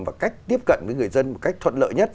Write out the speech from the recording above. và cách tiếp cận với người dân một cách thuận lợi nhất